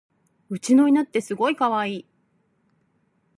うちの犬ってすごいかわいい